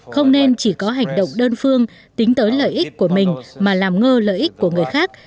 không nên chỉ có hành động đơn phương tính tới lợi ích của mình mà làm ngơ lợi ích của người khác